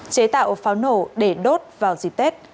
chế tạo pháo nổ để đốt vào dịp tết